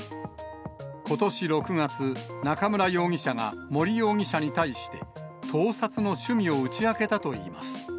ことし６月、中村容疑者が、森容疑者に対して、盗撮の趣味を打ち明けたといいます。